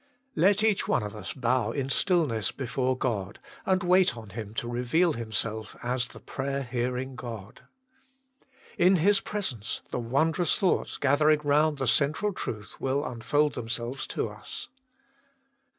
Let each one of us bow in stillness before God, and wait on Him to reveal Himself as the prayer hearing God. In His presence the wondrous thoughts gathering round the central truth will unfold themselves to us.